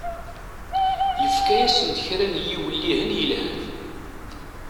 Yefka-asent kra n yiwellihen yelhan.